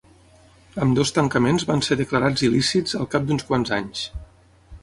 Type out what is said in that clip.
Ambdós tancaments van ser declarats il·lícits al cap d’uns quants anys.